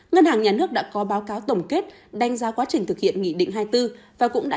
ngân hàng nhà nước đã có báo cáo tổng kết đánh giá quá trình thực hiện nghị định hai mươi bốn và cũng đã